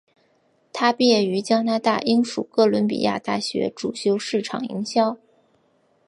她毕业于加拿大英属哥伦比亚大学主修市场营销。